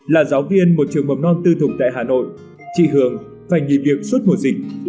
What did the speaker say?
là giáo viên một trường mầm non tư thục tại hà nội chị hường phải nghỉ việc suốt mùa dịch